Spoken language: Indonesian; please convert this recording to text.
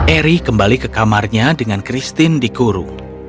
eric kembali ke kamarnya dengan christine di kuru